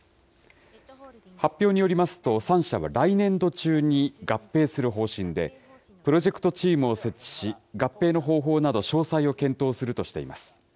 発表によりますと、３社は来年度中に合併する方針で、プロジェクトチームを設置し、合併の方法など、詳細を検討するとしています。